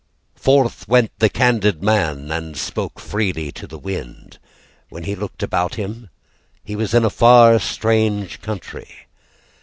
Forth went the candid man And spoke freely to the wind When he looked about him he was in a far strange country.